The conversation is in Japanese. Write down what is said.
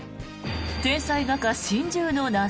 天才画家、心中の謎。